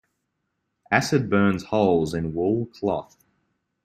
Acid burns holes in wool cloth.